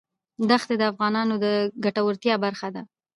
دښتې د افغانانو د ګټورتیا برخه ده.